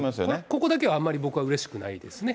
ここだけはあんまり僕はうれしくないですね。